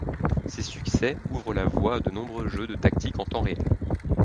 Ces succès ouvrent la voie à de nombreux jeux de tactique en temps réel.